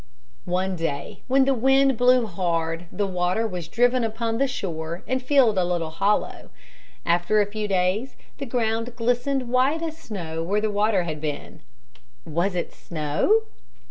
One day when the wind blew hard the water was driven upon the shore and filled a little hollow. After a few days the ground glistened white as snow where the water had been. Was it snow?